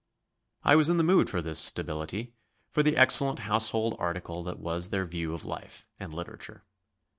I was in the mood for this stability, for the excellent household article that was their view of life and literature.